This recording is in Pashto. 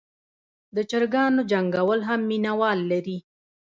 د چرګانو جنګول هم مینه وال لري.